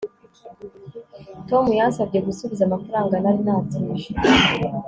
tom yansabye gusubiza amafaranga nari natije